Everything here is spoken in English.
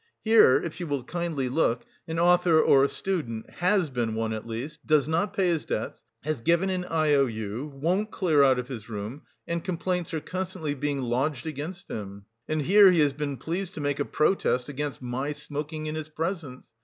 "Here, if you will kindly look: an author, or a student, has been one at least, does not pay his debts, has given an I O U, won't clear out of his room, and complaints are constantly being lodged against him, and here he has been pleased to make a protest against my smoking in his presence!